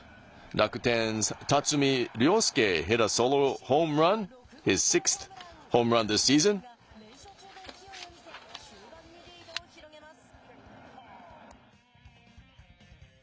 楽天が連勝中の勢いを見せ終盤にリードを広げます。